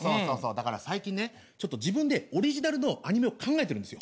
だから最近ね自分でオリジナルのアニメを考えてるんですよ。